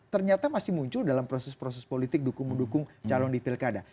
ternyata masih muncul dalam proses proses politik dukung mendukung calon di pilkada